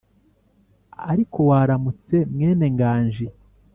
Ariko waramutse mwenenganji?